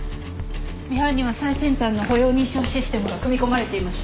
ミハンには最先端の歩容認証システムが組み込まれています。